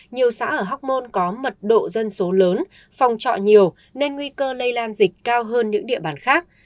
nhiều xã ở hóc môn có mật độ dân số lớn phòng trọ nhiều nên nguy cơ lây lan dịch cao hơn những địa bàn khác